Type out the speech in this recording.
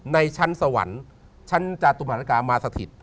ในชั้นสวรรค์ชั้นจาตุมันศักดิ์กามาสถิต